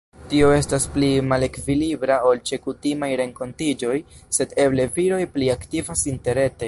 Tio estas pli malekvilibra ol ĉe kutimaj renkontiĝoj, sed eble viroj pli aktivas interrete.